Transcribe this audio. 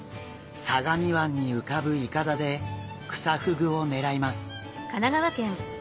相模湾に浮かぶいかだでクサフグを狙います。